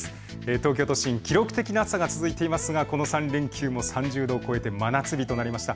東京都心、記録的な暑さが続いていますがこの３連休も３０度を超えて真夏日となりました。